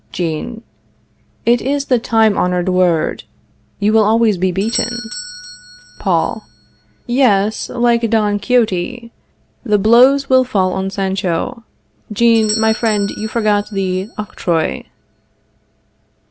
Jean. It is the time honored word. You will always be beaten. Paul. Yes; like Don Quixote. The blows will fall on Sancho. Jean, my friend, you forgot the octroi.